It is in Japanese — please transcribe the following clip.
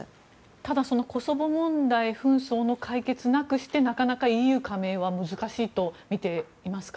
ただ、コソボ問題紛争の解決なくしてなかなかＥＵ加盟は難しいとみていますか？